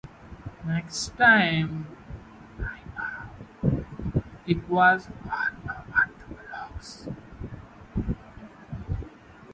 The next thing I know, it was all over the blogs.